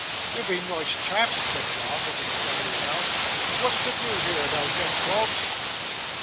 'Ye be noice chaps,' said John, looking steadily round. 'What's to do here, thou yoong dogs?